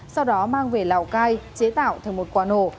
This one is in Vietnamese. sau đó mang về lào cai chế tạo thành một quả nổ